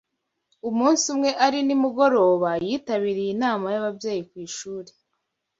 Umunsi umwe ari ni mugoroba yitabiriye inama y’ababyeyi kwishuri